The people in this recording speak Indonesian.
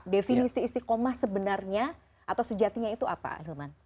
definisi istiqomah sebenarnya atau sejatinya itu apa hilman